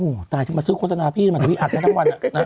โอ้วตายจะมาซื้อโฆษณาพี่มันอัดแค่ทั้งวันอะ